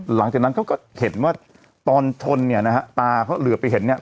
หลังจากนั้นเขาก็เห็นว่าตอนชนเนี่ยนะฮะตาเขาเหลือไปเห็นเนี่ย